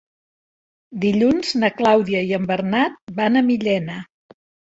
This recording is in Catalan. Dilluns na Clàudia i en Bernat van a Millena.